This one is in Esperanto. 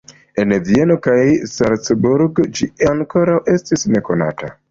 En Vieno kaj Salcburgo ĝi ankoraŭ estis nekonata.